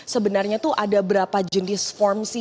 sebenarnya tuh ada berapa jenis form sih